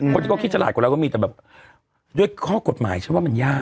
คนที่เขาคิดฉลาดกว่าเราก็มีแต่แบบด้วยข้อกฎหมายฉันว่ามันยาก